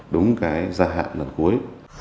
đúng cái gia hạn lần cuối